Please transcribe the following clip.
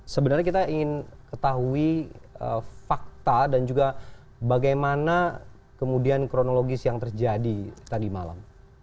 sebenarnya kita ingin ketahui fakta dan juga bagaimana kemudian kronologis yang terjadi tadi malam